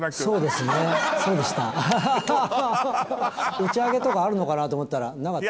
打ち上げとかあるのかなと思ったらなかったですね。